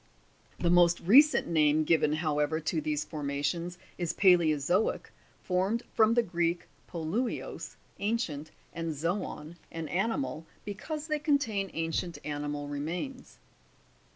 The most recent name given, however, to these formations, is palaeozoic (formed from the Greek poluios, ancient, and zbon, an animal), be cause they contain ancient animal remains.